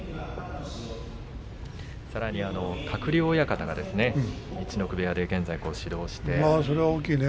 さらに鶴竜親方が陸奥部屋で現在指導して。